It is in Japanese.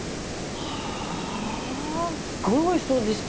はあすごいおいしそうでした。